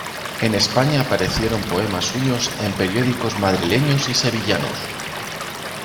En España aparecieron poemas suyos en periódicos madrileños y sevillanos.